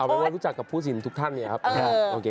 เป็นว่ารู้จักกับผู้สินทุกท่านเนี่ยครับ